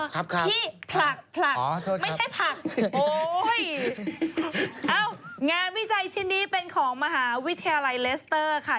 ครับที่ผลักผลักไม่ใช่ผลักโอ้ยเอ้างานวิจัยชิ้นนี้เป็นของมหาวิทยาลัยเลสเตอร์ค่ะ